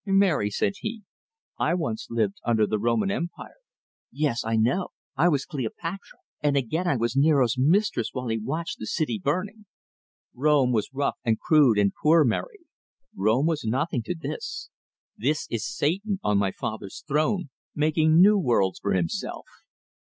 "Mary," said he, "I once lived under the Roman empire " "Yes, I know. I was Cleopatra, and again I was Nero's mistress while he watched the city burning." "Rome was rough, and crude, and poor, Mary. Rome was nothing to this. This is Satan on my Father's throne, making new worlds for himself."